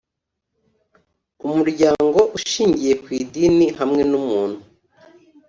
umuryango ushingiye ku idini hamwe n umuntu